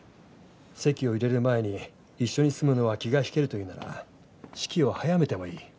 籍を入れる前に一緒に住むのは気が引けるというなら式を早めてもいい。